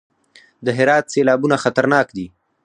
د هرات سیلابونه خطرناک دي